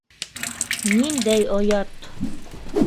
Ниндәй оят!